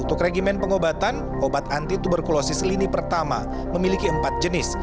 untuk regimen pengobatan obat anti tuberkulosis lini pertama memiliki empat jenis